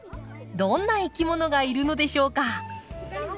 どんないきものがいるのでしょうか？